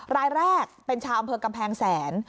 รายแรกเป็นชาวอำเภอกำแพงแสน